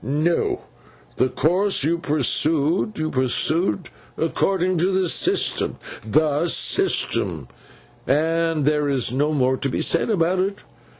'No. The course you pursued, you pursued according to the system—the system—and there is no more to be said about it.